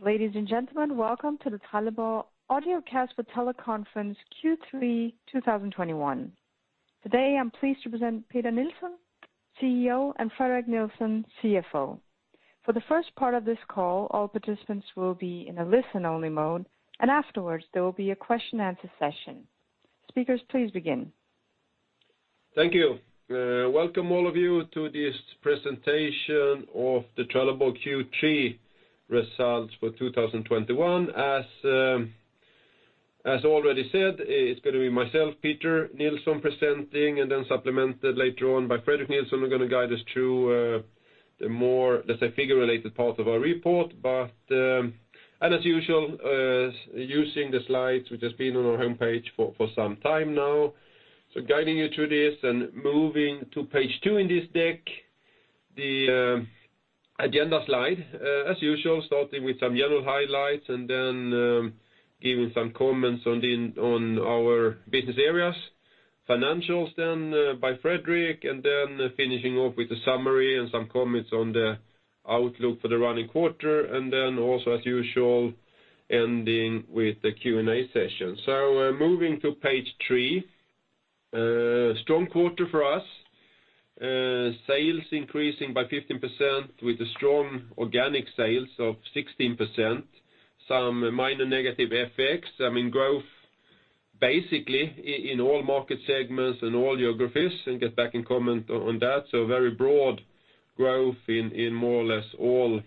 Ladies and gentlemen, welcome to the Trelleborg audiocast for teleconference Q3 2021. Today, I'm pleased to present Peter Nilsson, Chief Executive Officer, and Fredrik Nilsson, Chief Financial Officer. For the first part of this call, all participants will be in a listen-only mode, and afterwards, there will be a Q&A session. Speakers, please begin. Thank you. Welcome all of you to this presentation of the Trelleborg Q3 results for 2021. As already said, it's gonna be myself, Peter Nilsson, presenting, and then supplemented later on by Fredrik Nilsson, who are gonna guide us through the more, let's say, figure-related part of our report. And as usual, using the slides which has been on our homepage for some time now. Guiding you through this and moving to page two in this deck, the agenda slide. As usual, starting with some yellow highlights and then giving some comments on our business areas. Financials then by Fredrik, and then finishing off with a summary and some comments on the outlook for the running quarter. Then also, as usual, ending with the Q&A session. Moving to page three, strong quarter for us. Sales increasing by 15% with the strong organic sales of 16%, some minor negative FX. I mean, growth basically in all market segments and all geographies, and get back and comment on that. Very broad growth in more or less all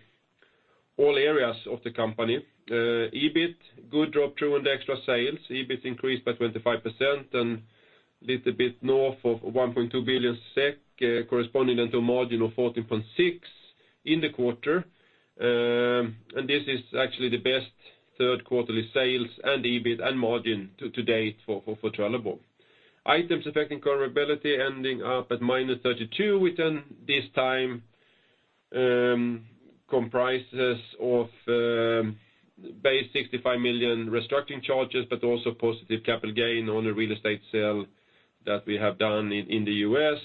areas of the company. EBIT, good drop-through on the extra sales. EBIT increased by 25% and little bit north of 1.2 billion SEK, corresponding to a margin of 14.6% in the quarter. And this is actually the best Q3 sales and EBIT and margin to date for Trelleborg. Items affecting comparability ending up at -32 million, which this time comprises basically 65 million restructuring charges, but also positive capital gain on a real estate sale that we have done in the U.S.,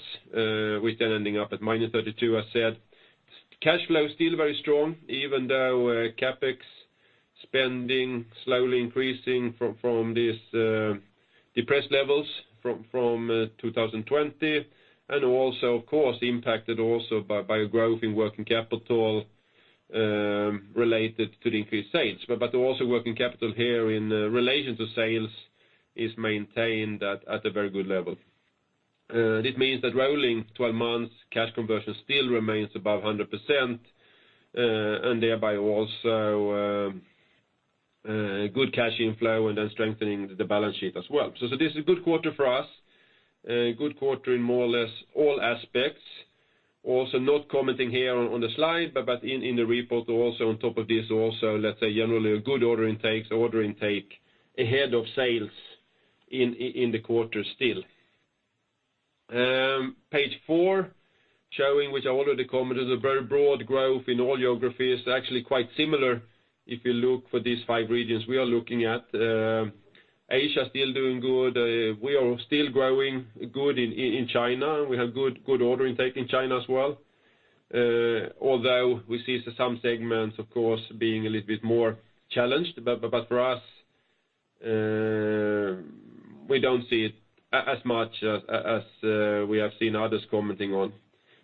which ending up at -32 million, I said. Cash flow is still very strong, even though CapEx spending slowly increasing from these depressed levels from 2020, and also, of course, impacted also by a growth in working capital related to the increased sales. But also working capital here in relation to sales is maintained at a very good level. This means that rolling twelve months cash conversion still remains above 100%, and thereby also good cash inflow and then strengthening the balance sheet as well. This is a good quarter for us, a good quarter in more or less all aspects. Also not commenting here on the slide, but in the report, also on top of this, let's say, generally a good order intake ahead of sales in the quarter still. Page four, showing which I already commented, a very broad growth in all geographies, actually quite similar if you look at these five regions we are looking at. Asia still doing good. We are still growing good in China. We have good order intake in China as well, although we see some segments, of course, being a little bit more challenged. For us, we don't see it as much as we have seen others commenting on.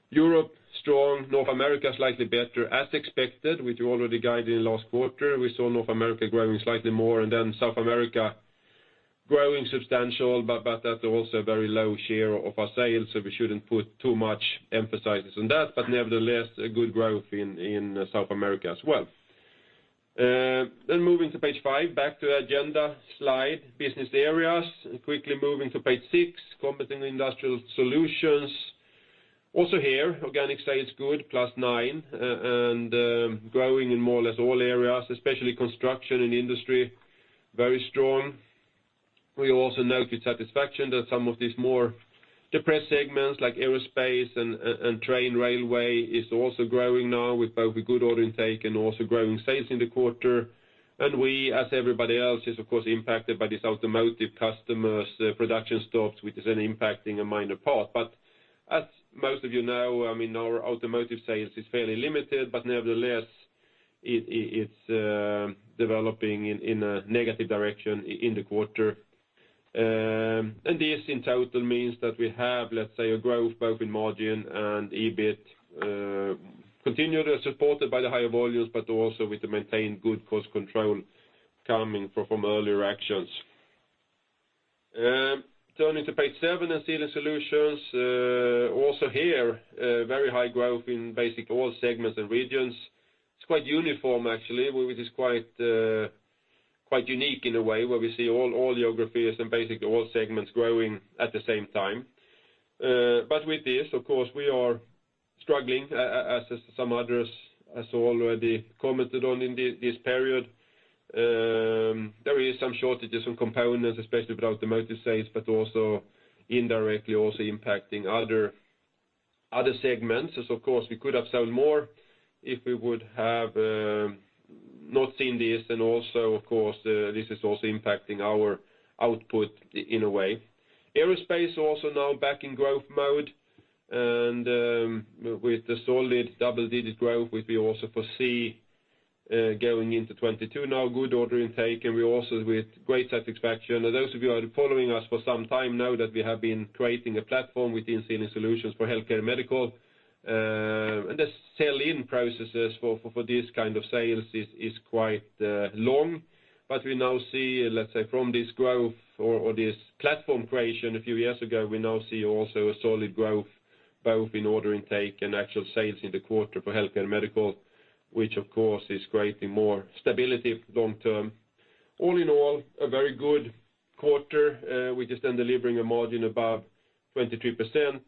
Europe, strong. North America, slightly better. As expected, which we already guided last quarter, we saw North America growing slightly more, and then South America growing substantially, but that's also a very low share of our sales, so we shouldn't put too much emphasis on that. Nevertheless, a good growth in South America as well. Moving to page five, back to agenda slide, business areas, and quickly moving to page six, Trelleborg Industrial Solutions. Also here, organic sales good, +9%, and growing in more or less all areas, especially construction and industry, very strong. We also note with satisfaction that some of these more depressed segments, like aerospace and train railway, is also growing now with both a good order intake and also growing sales in the quarter. We, as everybody else, are of course impacted by these automotive customers production stops, which is then impacting a minor part. As most of you know, I mean, our automotive sales is fairly limited, but nevertheless, it's developing in a negative direction in the quarter. This in total means that we have, let's say, a growth both in margin and EBIT, continued and supported by the higher volumes, but also with the maintained good cost control coming from earlier actions. Turning to page seven and Sealing Solutions, also here, very high growth in basically all segments and regions. It's quite uniform actually, which is quite unique in a way, where we see all geographies and basically all segments growing at the same time. With this, of course, we are struggling as some others has already commented on in this period. There is some shortages of components, especially with automotive sales, but also indirectly also impacting other segments. Of course, we could have sold more if we would have not seen this. Also, of course, this is also impacting our output in a way. Aerospace also now back in growth mode. With the solid double-digit growth, which we also foresee going into 2022 now, good order intake, and we also with great satisfaction. Those of you who are following us for some time know that we have been creating a platform within Sealing Solutions for healthcare and medical. The sell-in processes for this kind of sales is quite long. We now see, let's say, from this growth or this platform creation a few years ago, we now see also a solid growth, both in order intake and actual sales in the quarter for Healthcare and Medical, which of course is creating more stability long-term. All in all, a very good quarter, which is then delivering a margin above 23%.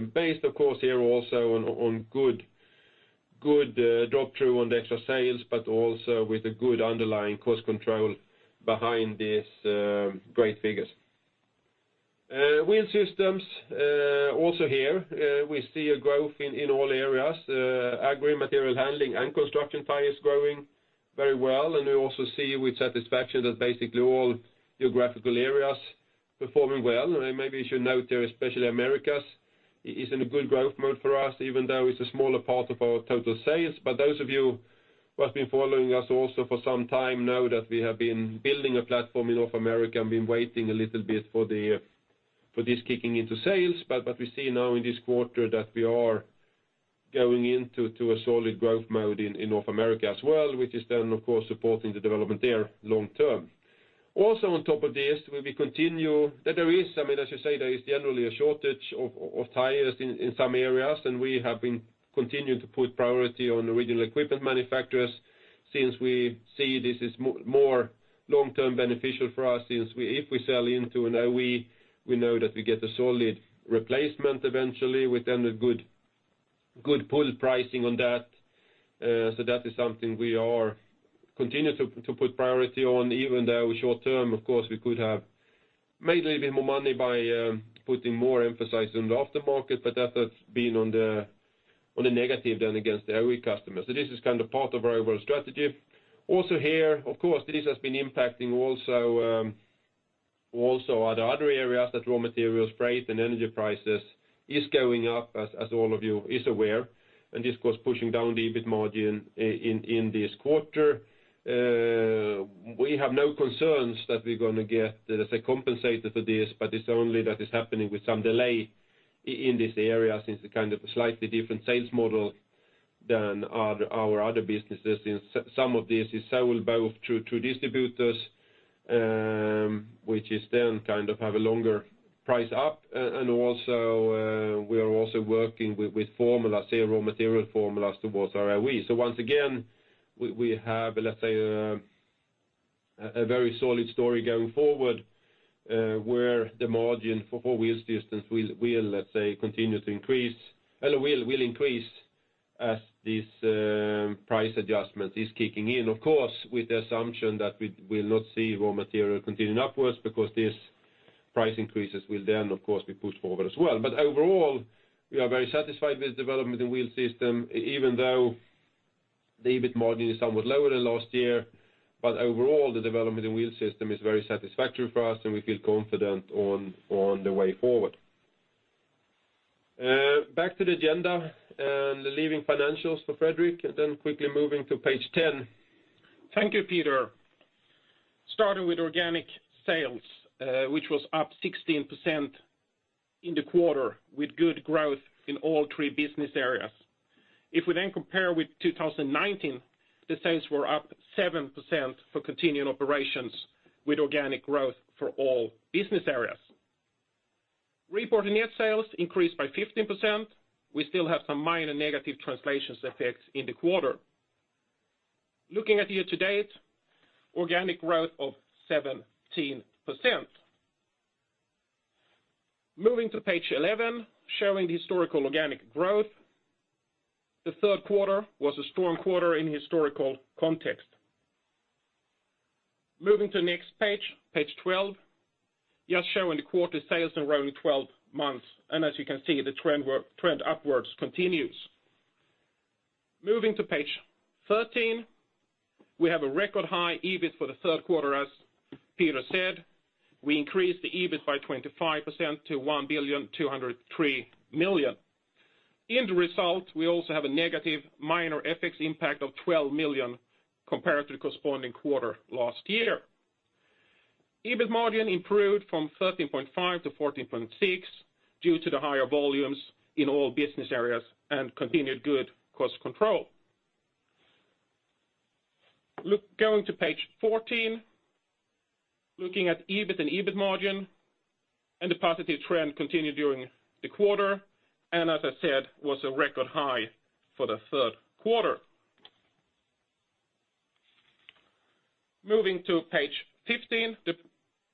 Based of course here also on good drop-through on the extra sales, but also with a good underlying cost control behind these great figures. Wheel Systems also here we see a growth in all areas. Agri, Material Handling and Construction tires growing very well. We also see with satisfaction that basically all geographical areas performing well. Maybe you should note there, especially Americas is in a good growth mode for us, even though it's a smaller part of our total sales. Those of you who have been following us also for some time know that we have been building a platform in North America, and been waiting a little bit for this kicking into sales. We see now in this quarter that we are going into a solid growth mode in North America as well, which is then of course supporting the development there long-term. Also on top of this. There is, I mean, as you say, there is generally a shortage of tires in some areas, and we have been continuing to put priority on original equipment manufacturers since we see this is more long-term beneficial for us. Since we, if we sell into an OE, we know that we get a solid replacement eventually with then a good full pricing on that. So that is something we are continuing to put priority on, even though short-term, of course, we could have made a little bit more money by putting more emphasis on the aftermarket, but that has been on the negative then against the OE customers. So this is kind of part of our overall strategy. Also here, of course, this has been impacting also the other areas, that raw materials, freight and energy prices is going up, as all of you is aware. This, of course, pushing down the EBIT margin in this quarter. We have no concerns that we're gonna get, let's say, compensated for this, but it's only that it's happening with some delay in this area since it's kind of a slightly different sales model than our other businesses. Since some of this is sold both through to distributors, which is then kind of have a longer price up. We are also working with formulas, say, raw material formulas towards our OE. Once again, we have, let's say, a very solid story going forward, where the margin for Wheel Systems will continue to increase, and will increase as this price adjustment is kicking in. Of course, with the assumption that we'll not see raw material continuing upwards because these price increases will then, of course, be pushed forward as well. Overall, we are very satisfied with development in Wheel Systems, even though the EBIT margin is somewhat lower than last year. Overall, the development in Wheel Systems is very satisfactory for us, and we feel confident on the way forward. Back to the agenda, and leaving financials for Fredrik, and then quickly moving to page 10. Thank you, Peter. Starting with organic sales, which was up 16% in the quarter with good growth in all three business areas. If we then compare with 2019, the sales were up 7% for continuing operations with organic growth for all business areas. Reported net sales increased by 15%. We still have some minor negative translations effects in the quarter. Looking at year to date, organic growth of 17%. Moving to page 11, showing the historical organic growth. The Q3 was a strong quarter in historical context. Moving to next page 12, just showing the quarter sales in rolling 12 months. As you can see, the trend upwards continues. Moving to page 13, we have a record high EBIT for the Q3, as Peter said. We increased the EBIT by 25% to 1,203 million. In the result, we also have a negative minor FX impact of 12 million compared to the corresponding quarter last year. EBIT margin improved from 13.5% to 14.6% due to the higher volumes in all business areas and continued good cost control. Look, going to page 14, looking at EBIT and EBIT margin, and the positive trend continued during the quarter, and as I said, was a record high for the Q3. Moving to page 15, the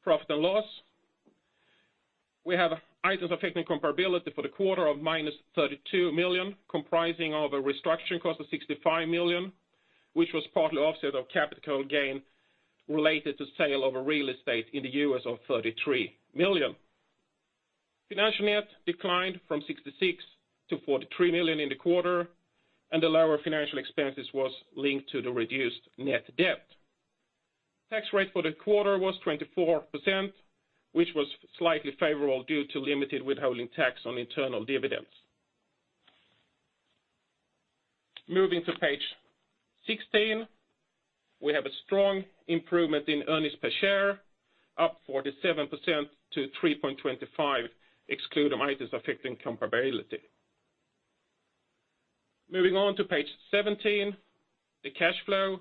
profit and loss. We have items affecting comparability for the quarter of -32 million, comprising of a restructuring cost of 65 million, which was partly offset of capital gain related to sale of a real estate in the U.S. of 33 million. Financial net declined from 66 million to 43 million in the quarter, and the lower financial expenses was linked to the reduced net debt. Tax rate for the quarter was 24%, which was slightly favorable due to limited withholding tax on internal dividends. Moving to page 16, we have a strong improvement in earnings per share, up 47% to 3.25, exclude items affecting comparability. Moving on to page 17, the cash flow.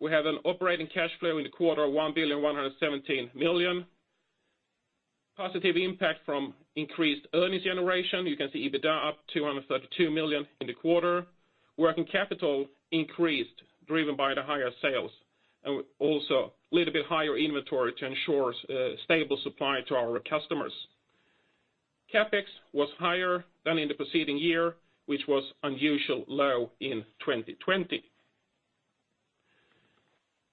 We have an operating cash flow in the quarter of 1,117 million. Positive impact from increased earnings generation. You can see EBITDA up 232 million in the quarter. Working capital increased, driven by the higher sales, and also a little bit higher inventory to ensure, stable supply to our customers. CapEx was higher than in the preceding year, which was unusually low in 2020.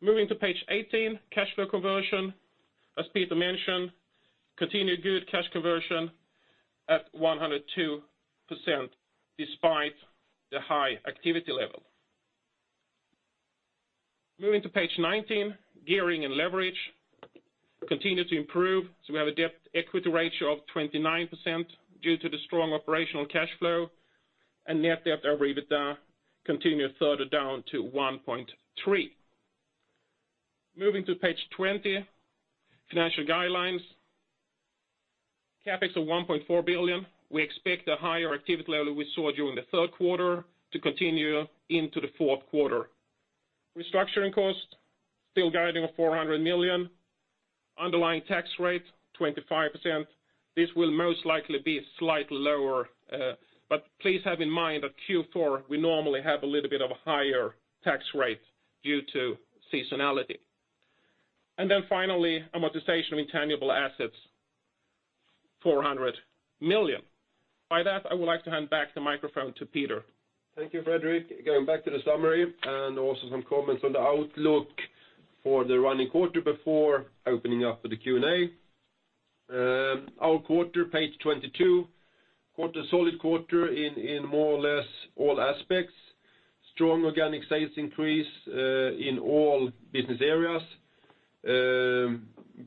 Moving to page 18, cash flow conversion. As Peter mentioned, continued good cash conversion at 102% despite the high activity level. Moving to page 19, gearing and leverage continued to improve. We have a debt equity ratio of 29% due to the strong operational cash flow, and net debt to EBITDA continued further down to 1.3. Moving to page 20, financial guidelines. CapEx of 1.4 billion. We expect the higher activity level we saw during the Q3 to continue into the Q4. Restructuring costs, still guiding 400 million. Underlying tax rate, 25%. This will most likely be slightly lower, but please have in mind that Q4, we normally have a little bit of a higher tax rate due to seasonality. Finally, amortization of intangible assets, 400 million. By that, I would like to hand back the microphone to Peter. Thank you, Fredrik. Going back to the summary and also some comments on the outlook for the running quarter before opening up for the Q&A. Our quarter, page 22. Solid quarter in more or less all aspects. Strong organic sales increase in all business areas.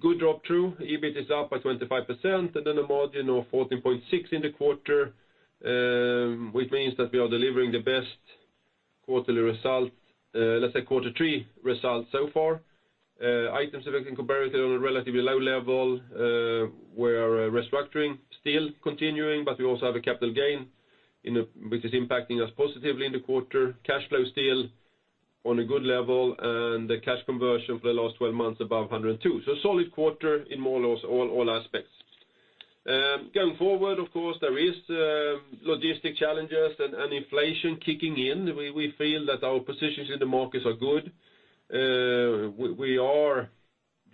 Good drop through. EBIT is up by 25%, and then a margin of 14.6% in the quarter, which means that we are delivering the best quarterly result, let's say quarter three results so far. Items affecting comparability on a relatively low level, where restructuring still continuing, but we also have a capital gain in which is impacting us positively in the quarter. Cash flow still on a good level, and the cash conversion for the last 12 months above 102. Solid quarter in more or less all aspects. Going forward, of course, there is logistics challenges and inflation kicking in. We feel that our positions in the markets are good. We are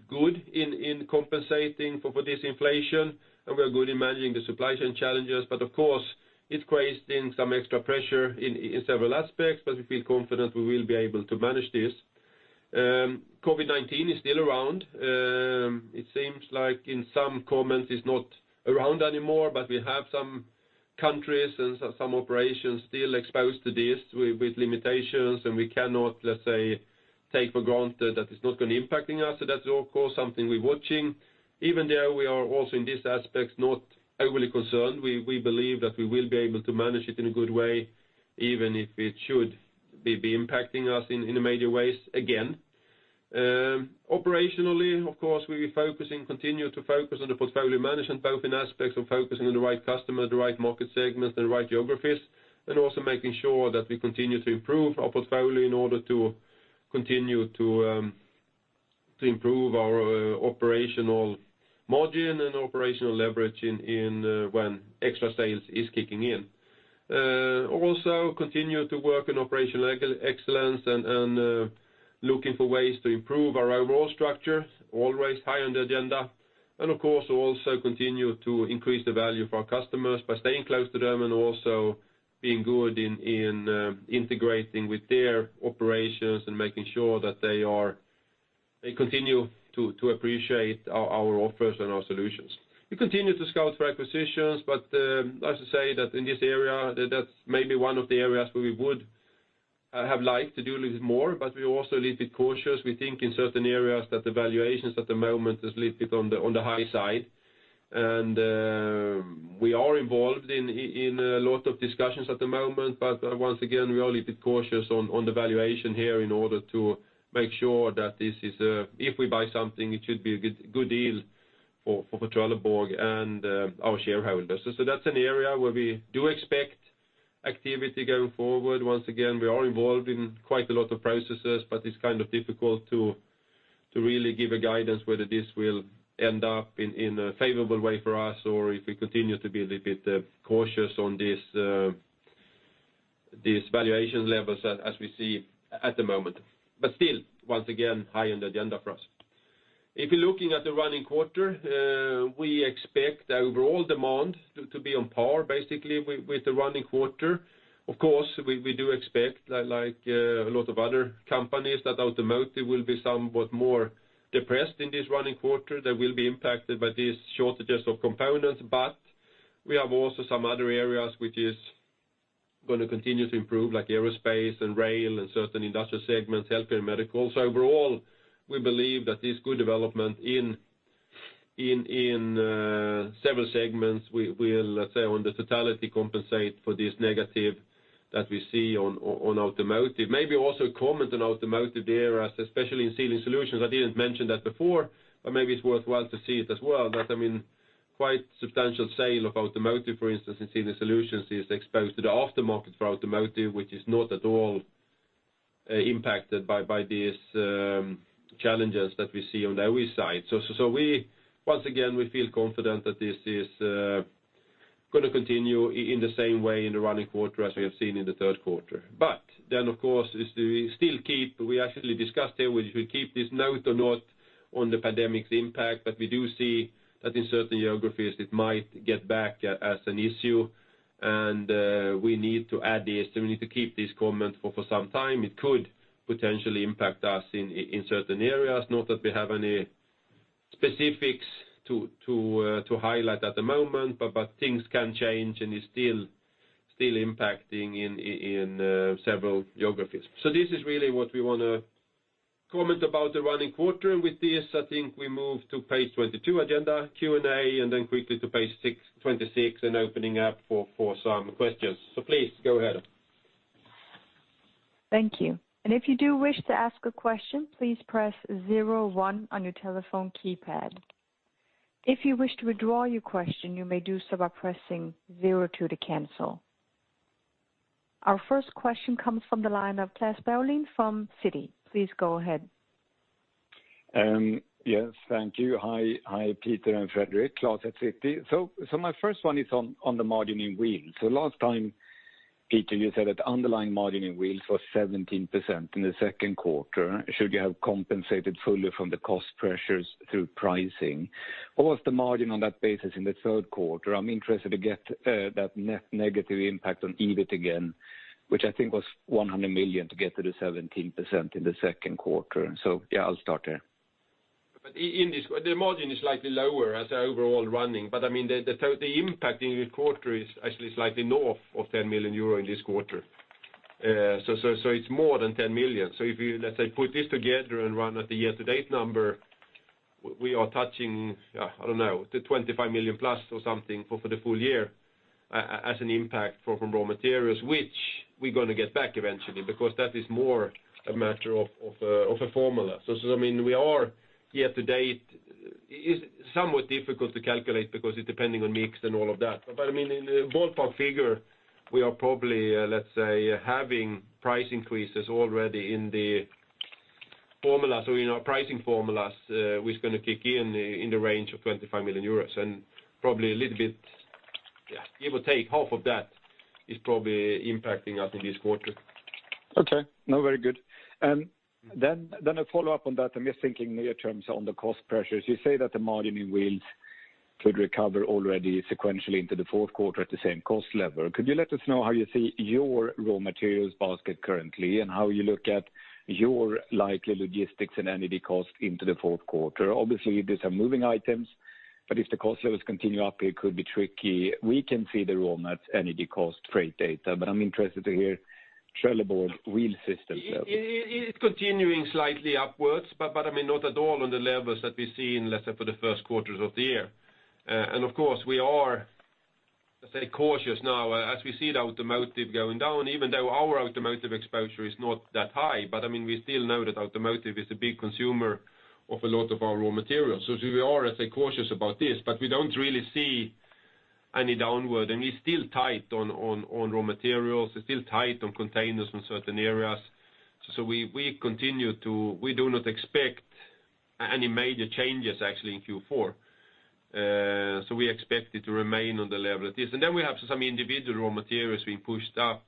good in compensating for this inflation, and we are good in managing the supply chain challenges. Of course, it creates then some extra pressure in several aspects, but we feel confident we will be able to manage this. COVID-19 is still around. It seems like in some comments, it's not around anymore, but we have some countries and some operations still exposed to this with limitations, and we cannot, let's say, take for granted that it's not gonna impacting us, so that's of course something we're watching. Even there, we are also in this aspect not overly concerned. We believe that we will be able to manage it in a good way, even if it should be impacting us in a major ways again. Operationally, of course, we continue to focus on the portfolio management, both in aspects of focusing on the right customer, the right market segments, and the right geographies, and also making sure that we continue to improve our portfolio in order to continue to improve our operational margin and operational leverage in when extra sales is kicking in. Also continue to work on operational excellence and looking for ways to improve our overall structure, always high on the agenda. Of course, also continue to increase the value for our customers by staying close to them and also being good in integrating with their operations and making sure that they continue to appreciate our offers and our solutions. We continue to scout for acquisitions, but as I say, that in this area, that's maybe one of the areas where we would have liked to do a little bit more, but we're also a little bit cautious. We think in certain areas that the valuations at the moment is a little bit on the high side. We are involved in a lot of discussions at the moment, but once again, we are a little bit cautious on the valuation here in order to make sure that this is, if we buy something, it should be a good deal for Trelleborg and our shareholders. So that's an area where we do expect activity going forward. Once again, we are involved in quite a lot of processes, but it's kind of difficult to really give a guidance whether this will end up in a favorable way for us or if we continue to be a little bit cautious on these valuation levels as we see at the moment. Still, once again, high on the agenda for us. If you're looking at the running quarter, we expect the overall demand to be on par basically with the running quarter. Of course, we do expect, like a lot of other companies, that automotive will be somewhat more depressed in this running quarter. They will be impacted by these shortages of components. We have also some other areas which is going to continue to improve like aerospace and rail and certain industrial segments, healthcare and medical. Overall, we believe that this good development in several segments will, let's say, on the totality compensate for this negative that we see on automotive. Maybe also comment on automotive there, especially in sealing solutions. I didn't mention that before, but maybe it's worthwhile to see it as well. That, I mean, quite substantial sale of automotive, for instance, in Sealing Solutions is exposed to the aftermarket for automotive, which is not at all impacted by these challenges that we see on the OE side. Once again, we feel confident that this is gonna continue in the same way in the running quarter as we have seen in the Q3. Then, of course, do we still keep this note. We actually discussed here, should we keep this note or not on the pandemic's impact, but we do see that in certain geographies it might get back as an issue, and we need to add this, we need to keep this comment for some time. It could potentially impact us in certain areas. Not that we have any specifics to highlight at the moment, but things can change and is still impacting in several geographies. This is really what we wanna comment about the running quarter. With this, I think we move to page 22, agenda Q&A, and then quickly to page 26 and opening up for some questions. Please go ahead. Our first question comes from the line of Claes Berglund from Citi. Please go ahead. Yes, thank you. Hi, Peter and Fredrik, Claes at Citi. My first one is on the margin in Wheel. Last time, Peter, you said that underlying margin in Wheel was 17% in the Q2, should you have compensated fully from the cost pressures through pricing. What was the margin on that basis in the Q3? I'm interested to get that net negative impact on EBIT again, which I think was 100 million to get to the 17% in the Q2. Yeah, I'll start there. The margin is slightly lower as overall running. I mean, the impact in the quarter is actually slightly north of 10 million euro in this quarter. It's more than 10 million. If you let's say put this together and run at the year-to-date number, we are touching I don't know the 25 million plus or something for the full year as an impact from raw materials, which we're gonna get back eventually, because that is more a matter of a formula. I mean we are year-to-date. It is somewhat difficult to calculate because it's depending on mix and all of that. I mean in the ballpark figure we are probably let's say having price increases already in the formula. In our pricing formulas, which is gonna kick in the range of 25 million euros, and probably a little bit, yeah, give or take half of that is probably impacting us in this quarter. Okay. No, very good. Then a follow-up on that. I'm just thinking near-term on the cost pressures. You say that the margin in Wheel Systems could recover already sequentially into the Q4 at the same cost level. Could you let us know how you see your raw materials basket currently and how you look at your likely logistics and energy cost into the Q4? Obviously, these are moving items, but if the cost levels continue up, it could be tricky. We can see the raw mats, energy cost, freight data, but I'm interested to hear Trelleborg Wheel Systems. It's continuing slightly upwards, I mean, not at all on the levels that we see in, let's say, for the Q1s of the year. Of course, we are, let's say, cautious now as we see the automotive going down, even though our automotive exposure is not that high. I mean, we still know that automotive is a big consumer of a lot of our raw materials. We are, let's say, cautious about this, but we don't really see any downward, and it's still tight on raw materials. It's still tight on containers in certain areas. We do not expect any major changes actually in Q4. We expect it to remain on the level it is. We have some individual raw materials being pushed up,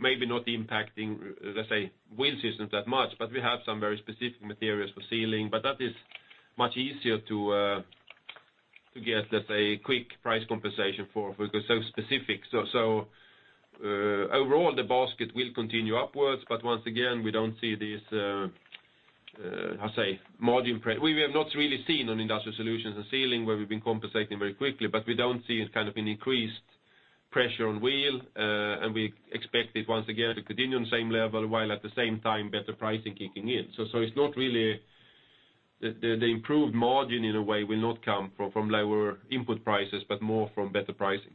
maybe not impacting, let's say, Wheel Systems that much, but we have some very specific materials for Sealing, but that is much easier to get, let's say, quick price compensation for because so specific. Overall, the basket will continue upwards, but once again, we don't see this margin pressure. We have not really seen on Industrial Solutions and Sealing where we've been compensating very quickly, but we don't see kind of an increased pressure on wheel and we expect it once again to continue on the same level while at the same time better pricing kicking in. It's not really the improved margin in a way will not come from lower input prices, but more from better pricing.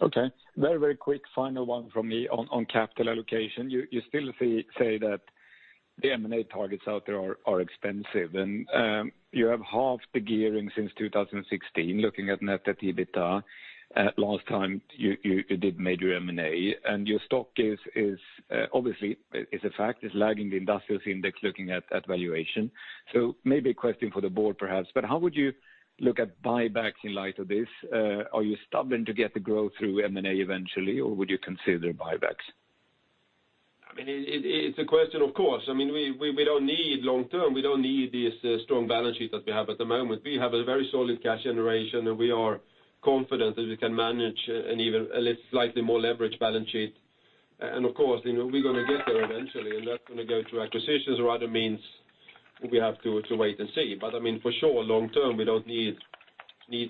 Okay. Very, quick final one from me on capital allocation. You still see that the M&A targets out there are expensive, and you have halved the gearing since 2016, looking at net debt to EBITDA, last time you did major M&A, and your stock is obviously lagging the industrials index looking at valuation. Maybe a question for the board perhaps, but how would you look at buybacks in light of this? Are you stubborn to get the growth through M&A eventually, or would you consider buybacks? I mean, it's a question of cost. I mean, we don't need long term, we don't need this strong balance sheet that we have at the moment. We have a very solid cash generation, and we are confident that we can manage even a little slightly more leveraged balance sheet. Of course, you know, we're gonna get there eventually, and that's gonna go through acquisitions or other means. We have to wait and see. I mean, for sure, long term, we don't need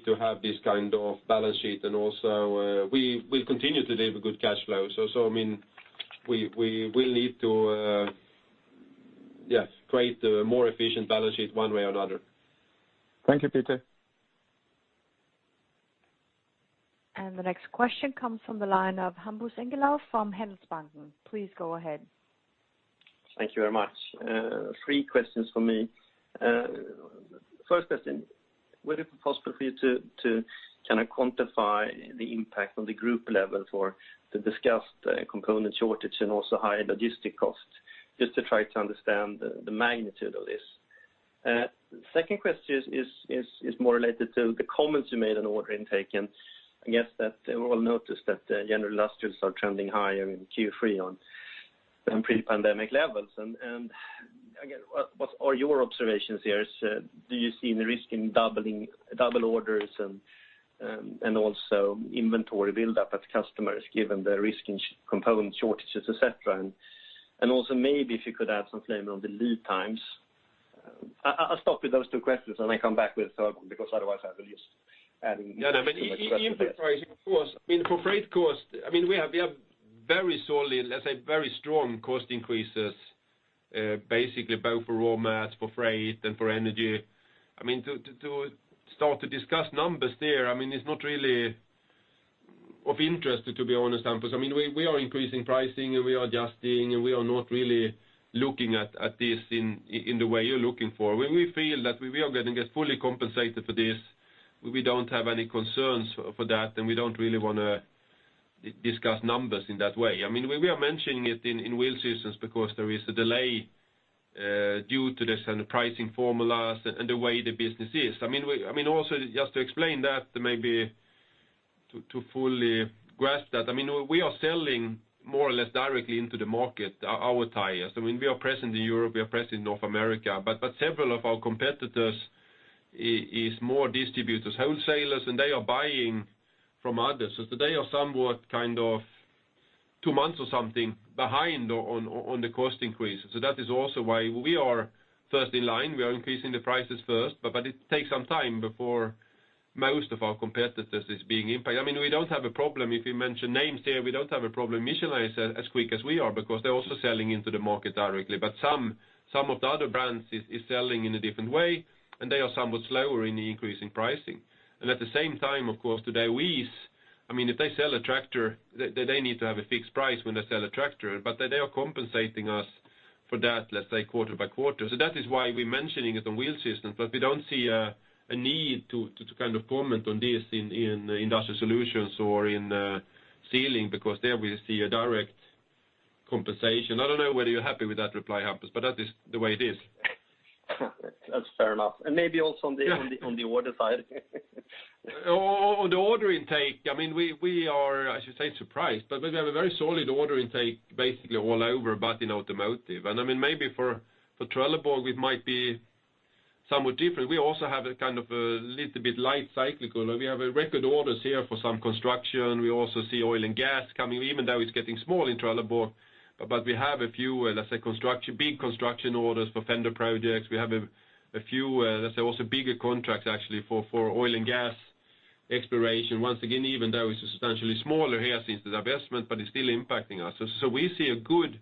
to have this kind of balance sheet. Also, we will continue to deliver good cash flow. I mean, we will need to create a more efficient balance sheet one way or another. Thank you, Peter. The next question comes from the line of Hampus Engellau from Handelsbanken. Please go ahead. Thank you very much. Three questions for me. First question, would it be possible for you to kind of quantify the impact on the group level for the discussed component shortage and also higher logistics costs, just to try to understand the magnitude of this? Second question is more related to the comments you made on order intake. I guess that we all noticed that the general order levels are trending higher in Q3 above the pre-pandemic levels. Again, what are your observations here? Do you see any risk in double orders and also inventory buildup at customers given the risk in component shortages, et cetera? Also maybe if you could add some flavor on the lead times. I'll stop with those two questions, and I come back with, because otherwise I will just adding. Yeah. No, but in pricing, of course, I mean, for freight cost, I mean, we have very sorely, let's say, very strong cost increases, basically both for raw mats, for freight, and for energy. I mean, to start to discuss numbers there, I mean, it's not really of interest, to be honest, Hampus. I mean, we are increasing pricing, and we are adjusting, and we are not really looking at this in the way you're looking for. When we feel that we are gonna get fully compensated for this, we don't have any concerns for that, and we don't really wanna discuss numbers in that way. I mean, we are mentioning it in Wheel Systems because there is a delay due to this and the pricing formulas and the way the business is. I mean, also just to explain that maybe to fully grasp that, I mean, we are selling more or less directly into the market our tires. I mean, we are present in Europe, we are present in North America. Several of our competitors is more distributors, wholesalers, and they are buying from others. So they are somewhat kind of two months or something behind on the cost increase. So that is also why we are first in line. We are increasing the prices first, but it takes some time before most of our competitors is being impacted. I mean, we don't have a problem. If you mention names here, we don't have a problem. Michelin is as quick as we are because they're also selling into the market directly. Some of the other brands is selling in a different way, and they are somewhat slower in the increase in pricing. At the same time, of course, today I mean, if they sell a tractor, they need to have a fixed price when they sell a tractor, but they are compensating us for that, let's say, quarter by quarter. That is why we're mentioning it on Wheel Systems, but we don't see a need to kind of comment on this in Industrial Solutions or in Sealing because there we see a direct compensation. I don't know whether you're happy with that reply, Hampus, but that is the way it is. That's fair enough. Yeah. On the order side. On the order intake, I mean, we are, I should say, surprised, but we have a very solid order intake basically all over, but in automotive. I mean, maybe for Trelleborg, it might be somewhat different. We also have a kind of a little bit light cyclical. We have record orders here for some construction. We also see oil and gas coming, even though it's getting small in Trelleborg. We have a few, let's say, big construction orders for Fender projects. We have a few, let's say, also bigger contracts actually for oil and gas exploration. Once again, even though it's substantially smaller here since the divestment, but it's still impacting us. We see a good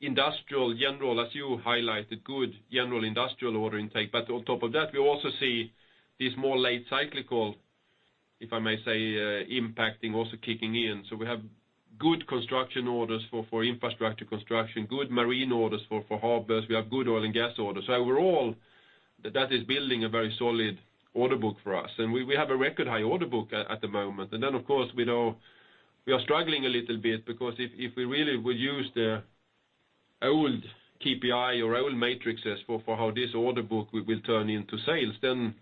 industrial general, as you highlighted, good general industrial order intake. On top of that, we also see these more late cyclical, if I may say, impacting also kicking in. We have good construction orders for infrastructure construction, good marine orders for harbors. We have good oil and gas orders. Overall, that is building a very solid order book for us. We have a record high order book at the moment. Of course, we know we are struggling a little bit because if we really would use the old KPI or old metrics for how this order book we will turn into sales, then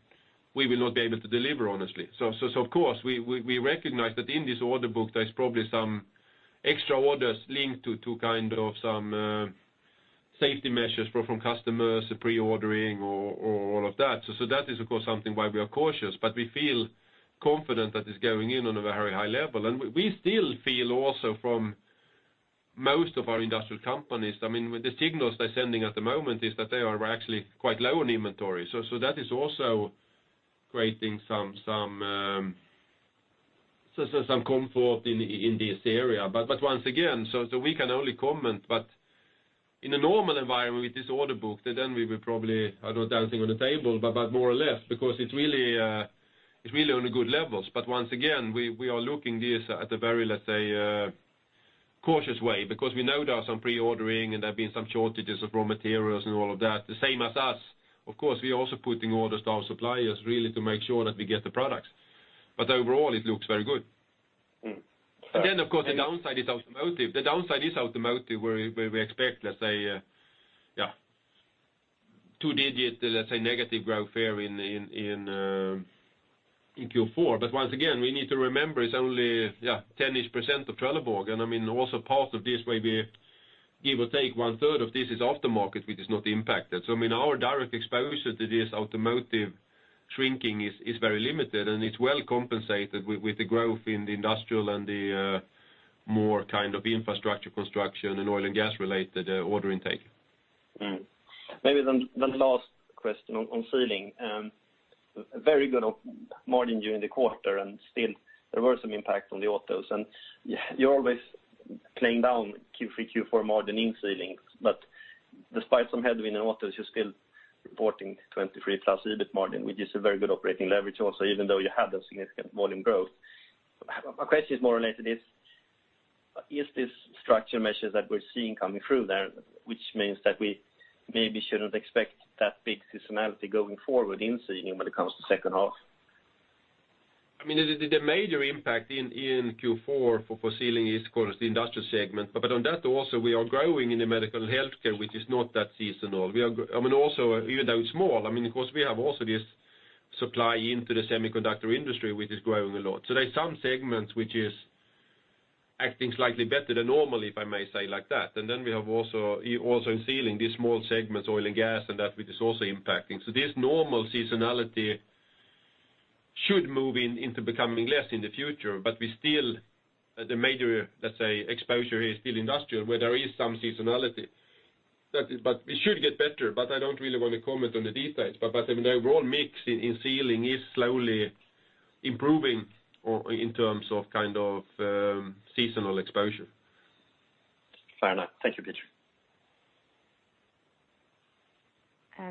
we will not be able to deliver, honestly. Of course, we recognize that in this order book, there's probably some extra orders linked to kind of some safety measures from customers, pre-ordering or all of that. That is, of course, something why we are cautious, but we feel confident that it's going in on a very high level. We still feel also from most of our industrial companies, I mean, with the signals they're sending at the moment is that they are actually quite low on inventory. That is also creating some comfort in this area. Once again, so we can only comment, but in a normal environment with this order book, then we will probably, I don't know, dancing on the table, but more or less because it's really on a good levels. Once again, we are looking at this in a very, let's say, cautious way because we know there are some pre-ordering, and there have been some shortages of raw materials and all of that. The same as us, of course, we are also putting orders to our suppliers really to make sure that we get the products. Overall, it looks very good. So- Of course, the downside is automotive. The downside is automotive, where we expect, let's say, two-digit negative growth here in Q4. Once again, we need to remember it's only 10-ish% of Trelleborg. I mean, also part of this may be give or take one-third of this is aftermarket, which is not impacted. I mean, our direct exposure to this automotive shrinking is very limited, and it's well compensated with the growth in the industrial and the more infrastructure construction and oil and gas-related order intake. Maybe then the last question on sealing. A very good margin during the quarter, and still there were some impacts on the autos, and you're always playing down Q3, Q4 margin in sealing, but despite some headwind in autos, you're still reporting +23% EBIT margin, which is a very good operating leverage also, even though you had those significant volume growth. My question is more related is this structural measures that we're seeing coming through there, which means that we maybe shouldn't expect that big seasonality going forward in sealing when it comes to second half? I mean, the major impact in Q4 for Sealing is of course the Industrial segment. On that also we are growing in the medical healthcare, which is not that seasonal. I mean, also, even though it's small, I mean, of course we have also this supply into the semiconductor industry which is growing a lot. So there's some segments which is acting slightly better than normal, if I may say like that. Then we have also in Sealing, these small segments, oil and gas, and that which is also impacting. So this normal seasonality should move into becoming less in the future, but we still, the major, let's say, exposure here is still Industrial, where there is some seasonality. It should get better, but I don't really want to comment on the details. I mean, the overall mix in sealing is slowly improving or in terms of kind of seasonal exposure. Fair enough. Thank you, Peter.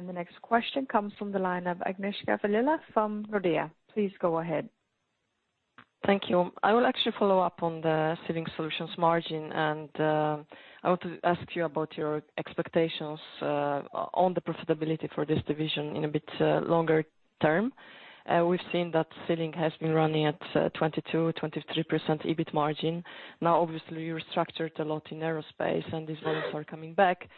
The next question comes from the line of Agnieszka Vilela from Nordea. Please go ahead. Thank you. I will actually follow up on the Sealing Solutions margin, and I want to ask you about your expectations on the profitability for this division in a bit longer term. We've seen that Sealing has been running at 22%-23% EBIT margin. Now, obviously you restructured a lot in aerospace, and these volumes are coming back.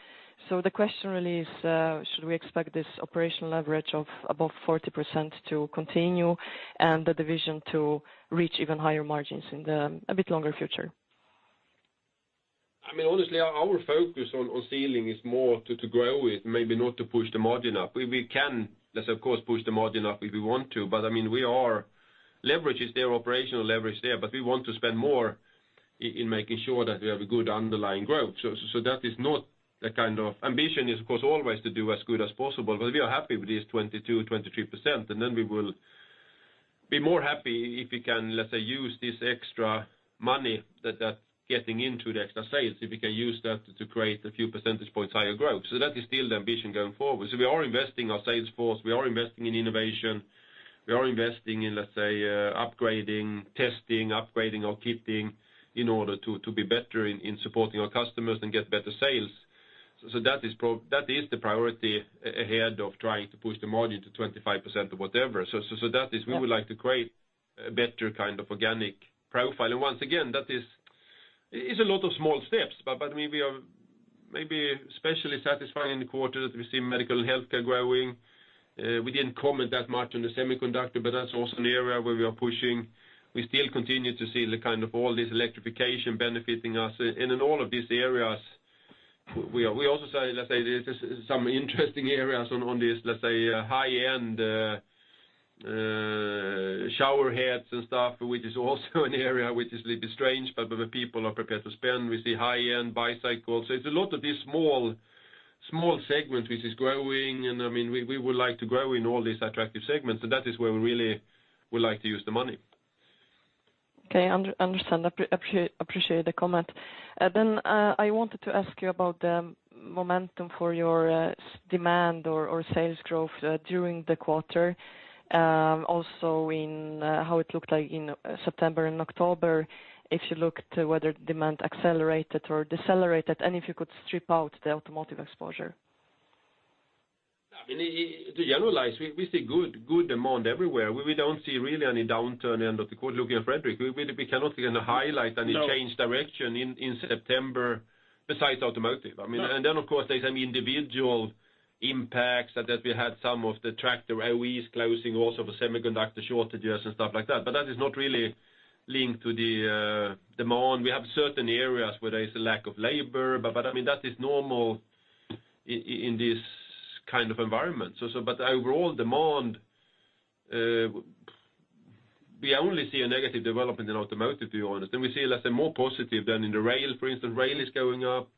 The question really is, should we expect this operational leverage of above 40% to continue and the division to reach even higher margins in a bit longer future? I mean, honestly, our focus on sealing is more to grow it, maybe not to push the margin up. We can, let's of course push the margin up if we want to, but I mean, we are. Leverage is there, operational leverage there, but we want to spend more in making sure that we have a good underlying growth. Ambition is of course always to do as good as possible, but we are happy with this 22%-23%, and then we will be more happy if we can, let's say, use this extra money that's getting into the extra sales, if we can use that to create a few percentage points higher growth. That is still the ambition going forward. We are investing our sales force, we are investing in innovation, we are investing in, let's say, upgrading, testing our kitting in order to be better in supporting our customers and get better sales. That is the priority ahead of trying to push the margin to 25% or whatever. That is, we would like to create a better kind of organic profile. Once again, that is a lot of small steps. I mean, we are maybe especially satisfied in the quarter that we see medical healthcare growing. We didn't comment that much on the semiconductor, but that's also an area where we are pushing. We still continue to see the kind of all this electrification benefiting us. In all of these areas, we are, we also say, let's say, there's some interesting areas on this, let's say, high-end shower heads and stuff, which is also an area which is a little bit strange, but the people are prepared to spend. We see high-end bicycles. It's a lot of these small segments which is growing, and I mean, we would like to grow in all these attractive segments, so that is where we really would like to use the money. Understand. Appreciate the comment. Then, I wanted to ask you about the momentum for your strong demand or sales growth during the quarter, also in how it looked like in September and October, if you looked whether demand accelerated or decelerated, and if you could strip out the automotive exposure. I mean, to generalize, we see good demand everywhere. We don't see really any downturn end of the quarter. Looking at Fredrik, we cannot, you know, highlight any- No. ...change direction in September besides automotive. I mean No. Of course there's some individual impacts, such as we had some of the tractor OEs closing also for semiconductor shortages and stuff like that. That is not really linked to the demand. We have certain areas where there is a lack of labor, but I mean, that is normal in this kind of environment. Overall demand, we only see a negative development in automotive, to be honest, and we see, let's say, more positive than in the rail, for instance. Rail is going up.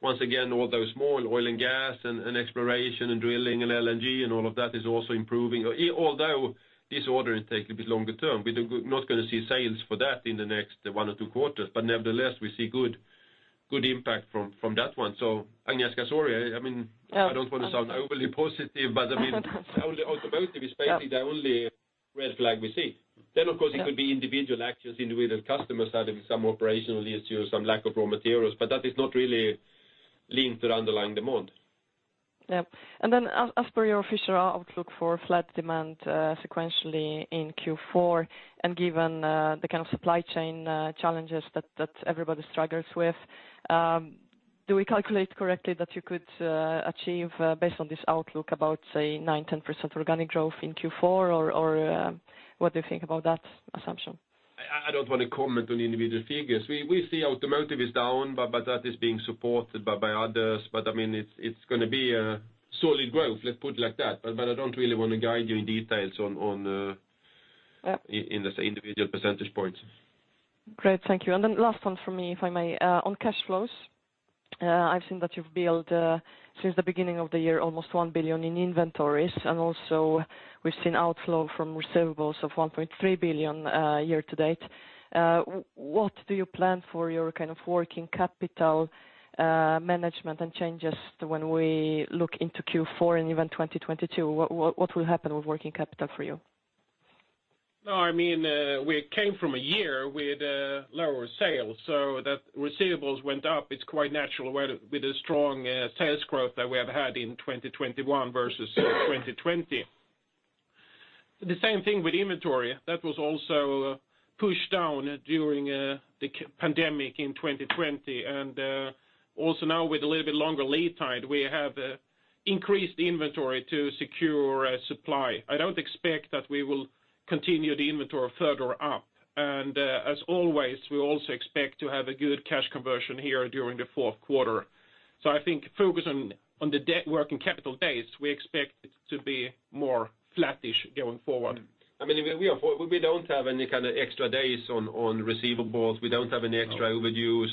Once again, although small, oil and gas and exploration and drilling and LNG and all of that is also improving. Although this order intake a bit longer term, we're not gonna see sales for that in the next one or two quarters, but nevertheless, we see good impact from that one. Agnieszka, sorry, I mean. Yeah. Okay I don't want to sound overly positive, but I mean, only automotive is basically. Yeah. The only red flag we see. Of course. Yeah. It could be individual actions, individual customers having some operational issues, some lack of raw materials, but that is not really linked to the underlying demand. Yeah. As per your official outlook for flat demand sequentially in Q4, and given the kind of supply chain challenges that everybody struggles with, do we calculate correctly that you could achieve, based on this outlook, about, say, 9%-10% organic growth in Q4? Or what do you think about that assumption? I don't wanna comment on the individual figures. We see automotive is down, but that is being supported by others. I mean, it's gonna be a solid growth, let's put it like that. I don't really wanna guide you in details on- Yeah. In the individual percentage points. Great. Thank you. Then last one for me, if I may. On cash flows, I've seen that you've built since the beginning of the year almost 1 billion in inventories, and also we've seen outflow from receivables of 1.3 billion year to date. What do you plan for your kind of working capital management and changes when we look into Q4 and even 2022? What will happen with working capital for you? No, I mean, we came from a year with lower sales, so that receivables went up. It's quite natural with the strong sales growth that we have had in 2021 versus 2020. The same thing with inventory. That was also pushed down during the COVID-19 pandemic in 2020. Also now with a little bit longer lead time, we have increased inventory to secure supply. I don't expect that we will continue the inventory further up, and as always, we also expect to have a good cash conversion here during the Q4. I think focus on the net working capital days, we expect to be more flattish going forward. I mean, we don't have any kind of extra days on receivables. We don't have any extra overdues.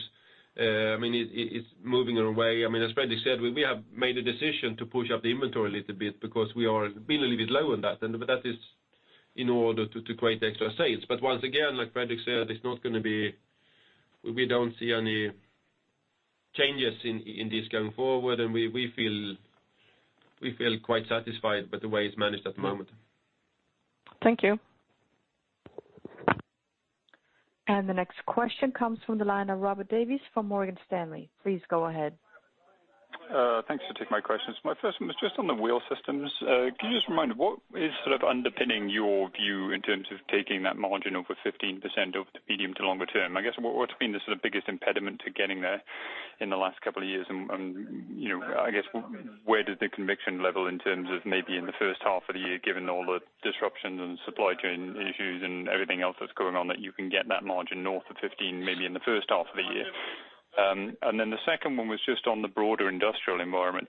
I mean, it is moving our way. I mean, as Fredrik said, we have made a decision to push up the inventory a little bit because we have been a little bit low on that. But that is in order to create extra sales. But once again, like Fredrik said, it's not gonna be. We don't see any changes in this going forward, and we feel quite satisfied with the way it's managed at the moment. Thank you. The next question comes from the line of Robert Davies from Morgan Stanley. Please go ahead. Thanks for taking my questions. My first one was just on the Wheel Systems. Can you just remind what is sort of underpinning your view in terms of taking that margin over 15% of the medium to longer term? I guess, what's been the sort of biggest impediment to getting there in the last couple of years? And you know, I guess where does the conviction level in terms of maybe in the first half of the year, given all the disruptions and supply chain issues and everything else that's going on, that you can get that margin north of 15% maybe in the first half of the year? And then the second one was just on the broader industrial environment.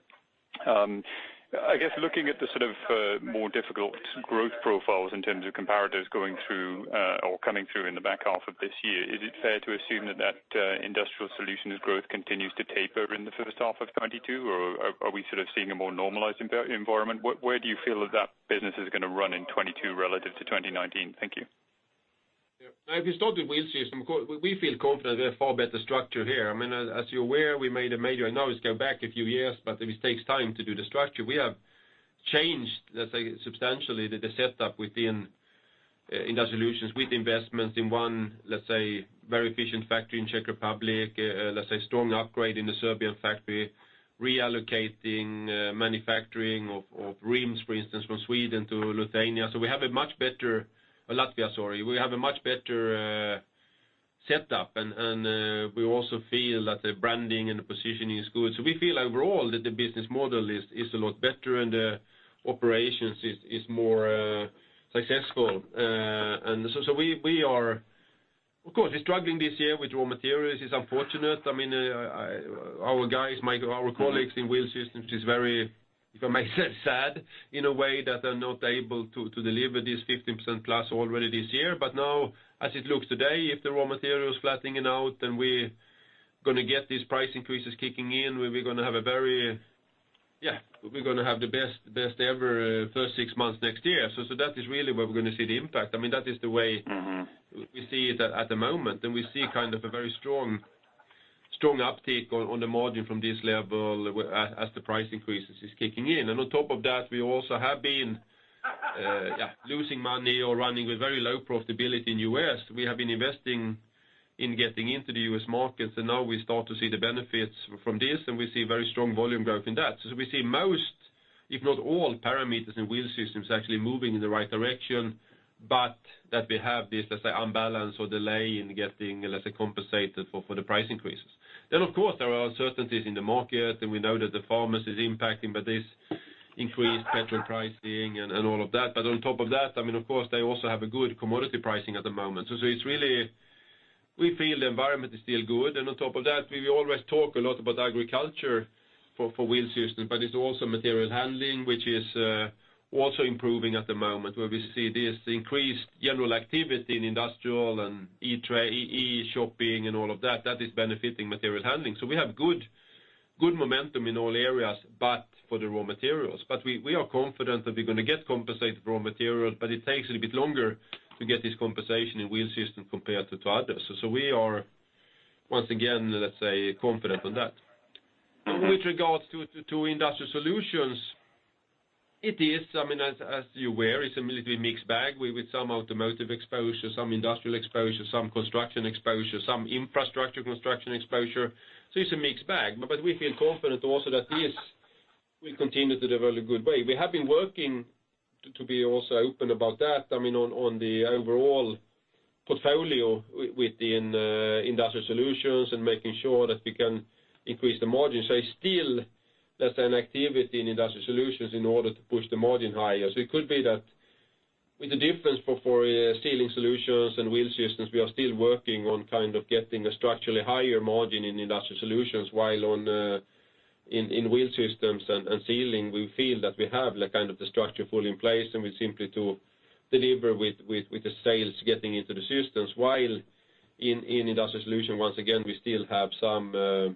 I guess looking at the sort of more difficult growth profiles in terms of comparatives going through or coming through in the back half of this year, is it fair to assume that Industrial Solutions growth continues to taper in the first half of 2022, or are we sort of seeing a more normalized environment? Where do you feel that that business is gonna run in 2022 relative to 2019? Thank you. Yeah. If we start with Wheel Systems, of course, we feel confident we have far better structure here. I mean, as you're aware, we made a major, I know it's going back a few years, but it takes time to do the structure. We have changed, let's say, substantially the setup within Industrial Solutions with investments in one, let's say, very efficient factory in Czech Republic, let's say strong upgrade in the Serbian factory, reallocating manufacturing of rims, for instance, from Sweden to Latvia. We have a much better setup and we also feel that the branding and the positioning is good. We feel overall that the business model is a lot better and the operations is more successful. We are- Of course, we're struggling this year with raw materials. It's unfortunate. I mean, our guys, our colleagues in Wheel Systems is very, if I may say, sad in a way that they're not able to deliver this +15% already this year. Now as it looks today, if the raw material is flattening out, then we're gonna get these price increases kicking in. We're gonna have the best ever first six months next year. That is really where we're gonna see the impact. I mean, that is the way. We see it at the moment. We see kind of a very strong uptick on the margin from this level as the price increases is kicking in. On top of that, we also have been losing money or running with very low profitability in U.S. We have been investing in getting into the U.S. markets, and now we start to see the benefits from this, and we see very strong volume growth in that. We see most, if not all, parameters in Wheel Systems actually moving in the right direction, but that we have this imbalance or delay in getting compensated for the price increases. Of course, there are uncertainties in the market, and we know that the farmers is impacting, but this increased petrol pricing and all of that. On top of that, I mean, of course they also have a good commodity pricing at the moment. It's really. We feel the environment is still good. On top of that, we always talk a lot about agriculture for Wheel Systems, but it's also Material Handling, which is also improving at the moment, where we see this increased general activity in industrial and e-commerce and all of that. That is benefiting Material Handling. We have good momentum in all areas but for the raw materials. We are confident that we're gonna get compensated for raw materials, but it takes a little bit longer to get this compensation in Wheel Systems compared to others. We are once again, let's say, confident on that. With regards to Industrial Solutions, it is, I mean, as you're aware, it's a little bit mixed bag. We with some automotive exposure, some industrial exposure, some construction exposure, some infrastructure construction exposure. It's a mixed bag. We feel confident also that this will continue to develop a good way. We have been working to be also open about that, I mean, on the overall portfolio within Industrial Solutions and making sure that we can increase the margins. I still. That's an activity in Industrial Solutions in order to push the margin higher. It could be that with the difference for Sealing Solutions and Wheel Systems, we are still working on kind of getting a structurally higher margin in Industrial Solutions while in Wheel Systems and Sealing, we feel that we have the kind of structure fully in place, and we simply to deliver with the sales getting into the systems, while in Industrial Solutions, once again, we still have some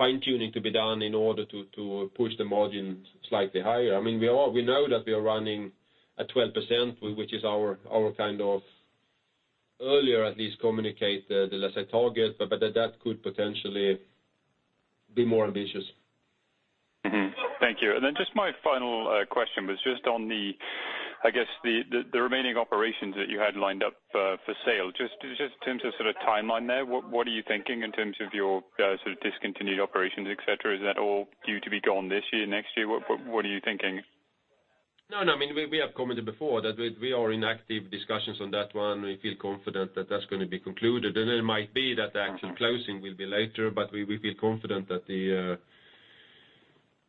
fine-tuning to be done in order to push the margin slightly higher. I mean, we know that we are running at 12%, which is our kind of earlier at least communicated long-term target, but that could potentially be more ambitious. Thank you. Just my final question was just on the, I guess, the remaining operations that you had lined up for sale, just in terms of sort of timeline there, what are you thinking in terms of your sort of discontinued operations, et cetera? Is that all due to be gone this year, next year? What are you thinking? No. I mean, we have commented before that we are in active discussions on that one. We feel confident that that's gonna be concluded. It might be that the actual closing will be later, but we feel confident that the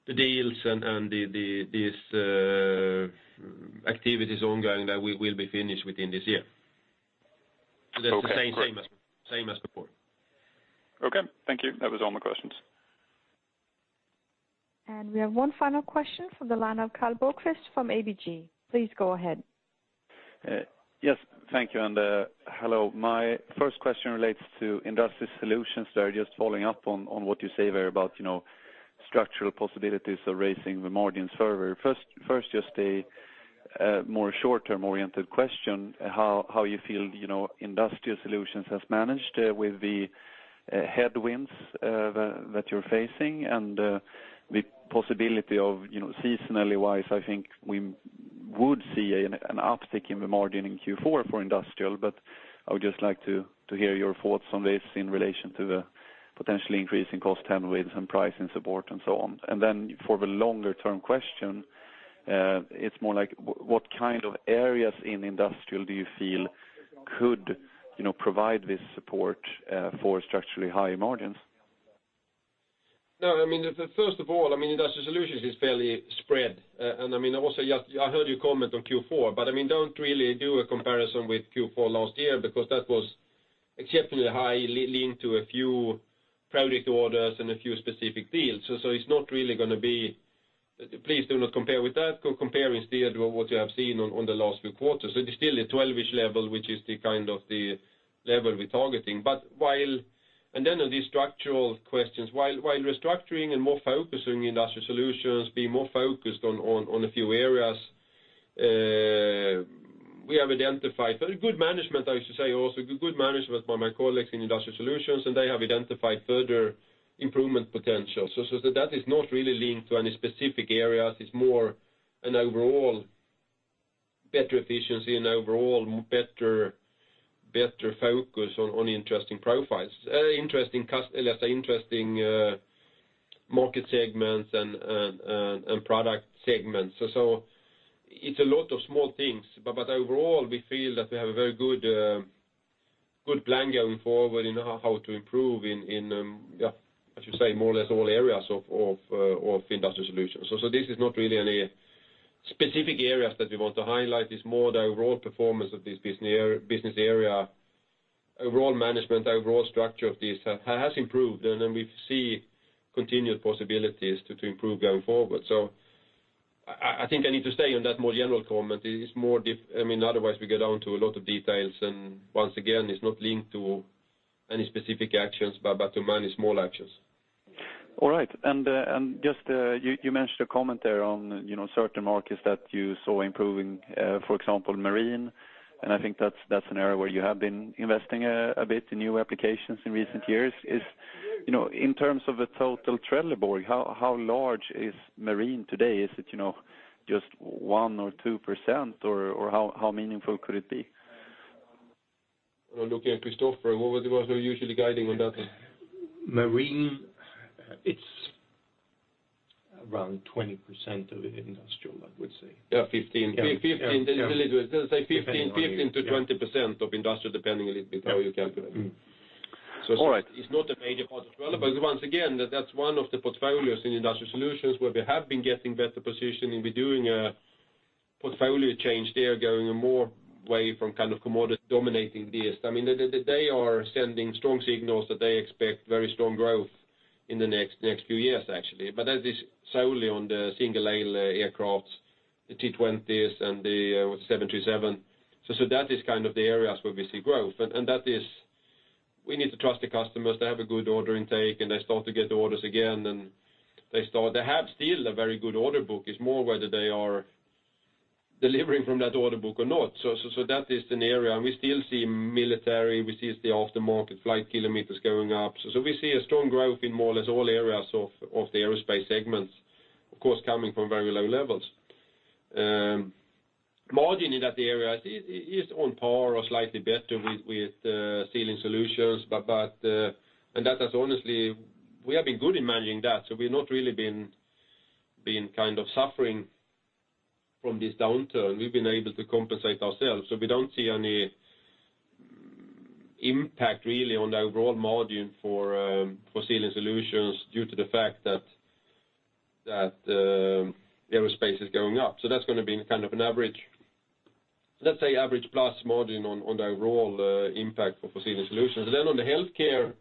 deals and the activities ongoing that we will be finished within this year. Okay, great. That's the same as before. Okay, thank you. That was all my questions. We have one final question from the line of Karl Bokvist from ABG. Please go ahead. Yes, thank you, and hello. My first question relates to Industrial Solutions there, just following up on what you say there about, you know, structural possibilities of raising the margins further. First, just a more short-term-oriented question, how you feel, you know, Industrial Solutions has managed with the headwinds that you're facing and the possibility of, you know, seasonally-wise, I think we would see an uptick in the margin in Q4 for Industrial, but I would just like to hear your thoughts on this in relation to the potentially increasing cost tailwinds and pricing support and so on. Then for the longer-term question, it's more like what kind of areas in Industrial do you feel could, you know, provide this support for structurally higher margins? No, I mean, first of all, I mean, Industrial Solutions is fairly spread. I mean, also, yes, I heard you comment on Q4, but I mean, don't really do a comparison with Q4 last year because that was exceptionally high linked to a few product orders and a few specific deals. So it's not really gonna be. Please do not compare with that. Compare instead what you have seen on the last few quarters. It is still a 12-ish level, which is kind of the level we're targeting. On these structural questions, while restructuring and more focus on Industrial Solutions, being more focused on a few areas, we have identified very good management, I should say, also good management by my colleagues in Industrial Solutions, and they have identified further improvement potential. That is not really linked to any specific areas. It's more an overall better efficiency and overall better focus on interesting profiles, less interesting market segments and product segments. It's a lot of small things. Overall, we feel that we have a very good plan going forward in how to improve in I should say more or less all areas of Industrial Solutions. This is not really any specific areas that we want to highlight. It's more the overall performance of this business area. Overall management, overall structure of this has improved, and then we see continued possibilities to improve going forward. I think I need to stay on that more general comment. I mean, otherwise we go down to a lot of details, and once again, it's not linked to any specific actions but to manage small actions. All right. Just you mentioned a comment there on, you know, certain markets that you saw improving, for example, Marine, and I think that's an area where you have been investing a bit in new applications in recent years. You know, in terms of the total Trelleborg, how large is Marine today? Is it, you know, just 1% or 2%, or how meaningful could it be? Looking at Christoffer, what are we usually guiding on that one? Marine, it's around 20% of Industrial, I would say. Yeah, 15. Yeah.. Let's say 15. Depending on. Yeah. 15%-20% of Industrial, depending a little bit how you calculate. All right. It's not a major part of Trelleborg. Once again, that's one of the portfolios in Industrial Solutions where we have been getting better position, and we're doing a portfolio change there, going more away from kind of commodity dominating this. I mean, they are sending strong signals that they expect very strong growth in the next few years, actually. That is solely on the single-aisle aircraft, the A320s and the 737. That is kind of the areas where we see growth. We need to trust the customers. They have a good order intake, and they start to get the orders again, and they have still a very good order book. It's more whether they are delivering from that order book or not. That is an area, and we still see military. We see the aftermarket flight kilometers going up. We see a strong growth in more or less all areas of the aerospace segments, of course, coming from very low levels. Margin in that area is on par or slightly better with Sealing Solutions. We have been good in managing that, so we've not really been kind of suffering from this downturn. We've been able to compensate ourselves, so we don't see any impact really on the overall margin for Sealing Solutions due to the fact that aerospace is going up. That's gonna be kind of an average. Let's say average plus margin on the overall impact for Sealing Solutions. On the healthcare,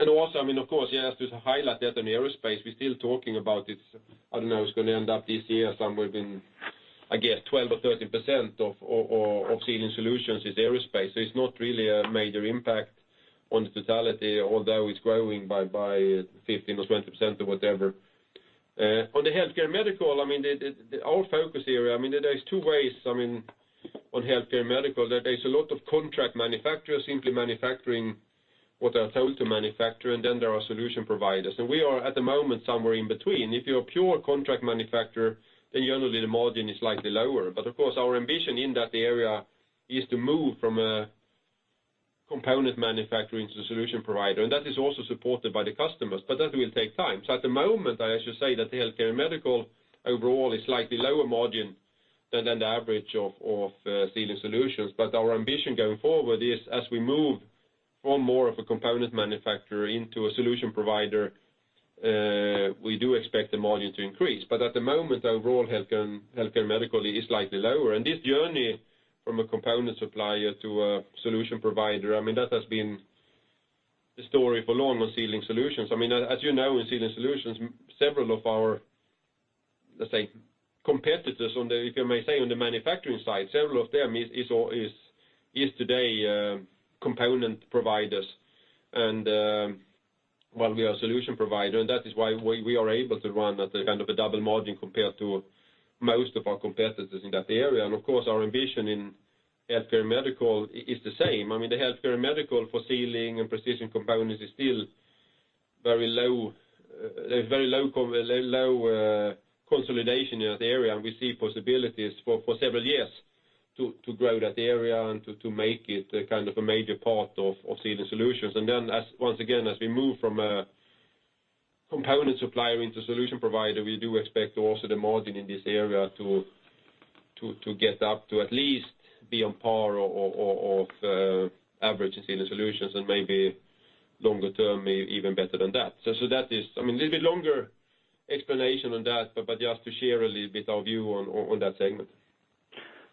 I mean, of course, just to highlight that on aerospace, we're still talking about it's, I don't know, it's gonna end up this year somewhere within, I guess 12% or 13% of Sealing Solutions is aerospace. So it's not really a major impact on the totality, although it's growing by 15% or 20% or whatever. On the healthcare and medical, I mean, our focus area, I mean, there is two ways, I mean, on healthcare and medical. There is a lot of contract manufacturers simply manufacturing what they're told to manufacture, and then there are solution providers. We are at the moment somewhere in between. If you're a pure contract manufacturer, then generally the margin is slightly lower. Of course, our ambition in that area is to move from a component manufacturer into solution provider, and that is also supported by the customers, but that will take time. At the moment, I should say that the healthcare and medical overall is slightly lower margin than the average of Sealing Solutions. Our ambition going forward is as we move from more of a component manufacturer into a solution provider, we do expect the margin to increase. At the moment, the overall healthcare and medical is slightly lower. This journey from a component supplier to a solution provider, I mean, that has been the story for long on Sealing Solutions. I mean, as you know, in Sealing Solutions, several of our, let's say, competitors, if I may say, on the manufacturing side, several of them is today component providers. We are a solution provider, and that is why we are able to run at a kind of a double margin compared to most of our competitors in that area. Of course, our ambition in healthcare and medical is the same. I mean, the healthcare and medical for Sealing and Precision Components is still very low consolidation in that area, and we see possibilities for several years to grow that area and to make it a kind of a major part of Sealing Solutions. Then as- Once again, as we move from a component supplier into solution provider, we do expect also the margin in this area to get up to at least be on par with average in Sealing Solutions and maybe longer term, even better than that. That is, I mean, a little bit longer explanation on that, but just to share a little bit our view on that segment.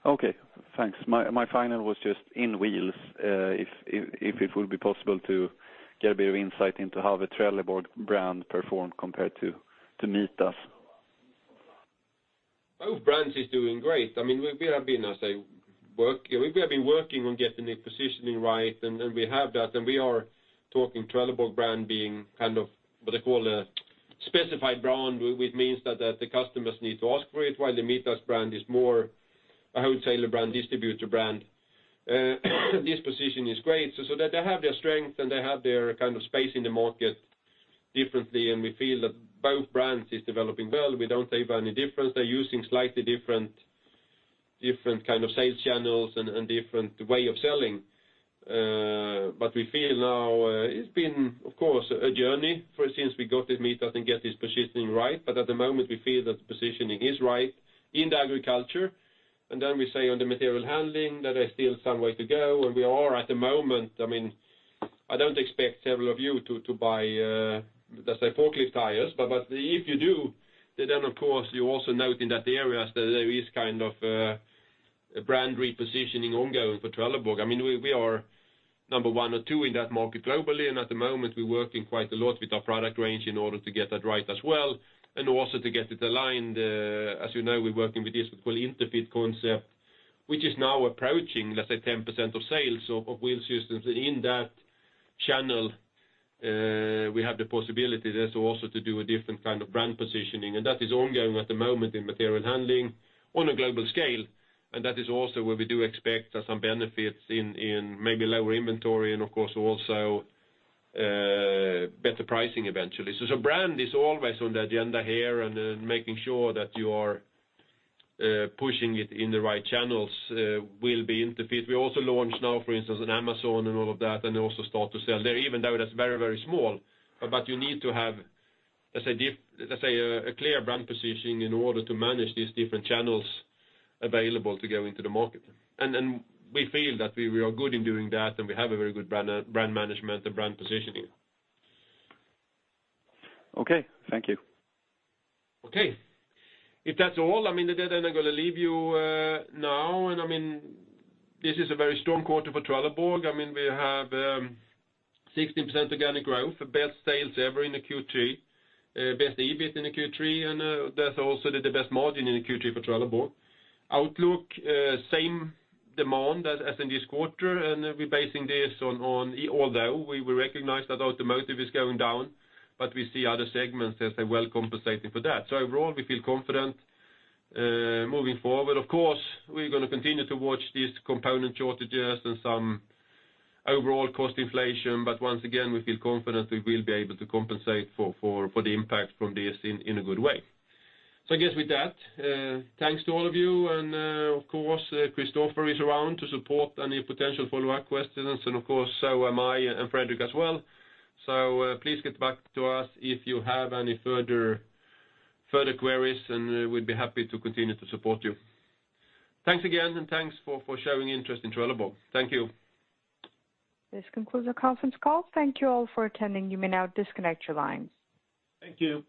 Okay, thanks. My final was just in wheels, if it would be possible to get a bit of insight into how the Trelleborg brand performed compared to Mitas. Both brands is doing great. I mean, we have been working on getting the positioning right and we have that, and we are talking Trelleborg brand being kind of what I call a specified brand, which means that the customers need to ask for it, while the Mitas brand is more a wholesaler brand, distributor brand. This position is great, so that they have their strength, and they have their kind of space in the market differently, and we feel that both brands is developing well. We don't see any difference. They're using slightly different kind of sales channels and different way of selling. But we feel now, it's been, of course, a journey ever since we got this Mitas and get this positioning right. At the moment, we feel that the positioning is right in the agriculture. We say on the material handling that there's still some way to go, and we are at the moment, I mean, I don't expect several of you to buy, let's say Forklift tires. If you do, then of course, you also note in that areas that there is kind of a brand repositioning ongoing for Trelleborg. I mean, we are number one or two in that market globally, and at the moment, we're working quite a lot with our product range in order to get that right as well, and also to get it aligned. As you know, we're working with this, we call it Interfit concept, which is now approaching, let's say, 10% of sales of wheel systems. In that channel, we have the possibility there so also to do a different kind of brand positioning. That is ongoing at the moment in Material Handling on a global scale. That is also where we do expect some benefits in maybe lower inventory and of course also better pricing eventually. Brand is always on the agenda here, and then making sure that you are pushing it in the right channels will be Interfit. We also launched now, for instance, on Amazon and all of that, and also start to sell there, even though that's very small. You need to have, let's say a clear brand positioning in order to manage these different channels available to go into the market. We feel that we are good in doing that, and we have a very good brand management and brand positioning. Okay, thank you. Okay. If that's all, I mean, then I'm gonna leave you now. I mean, this is a very strong quarter for Trelleborg. I mean, we have 16% organic growth, best sales ever in the Q3, best EBIT in the Q3, and that's also the best margin in the Q3 for Trelleborg. Outlook, same demand as in this quarter, and we're basing this on, although we recognize that automotive is going down, but we see other segments as they're well compensating for that. Overall, we feel confident moving forward. Of course, we're gonna continue to watch these component shortages and some overall cost inflation, but once again, we feel confident we will be able to compensate for the impact from this in a good way. I guess with that, thanks to all of you, and, of course, Christoffer is around to support any potential follow-up questions, and of course, so am I and Fredrik as well. Please get back to us if you have any further queries, and, we'd be happy to continue to support you. Thanks again, and thanks for showing interest in Trelleborg. Thank you. This concludes our conference call. Thank you all for attending. You may now disconnect your lines. Thank you.